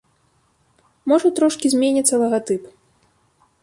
Можа трошкі зменіцца лагатып.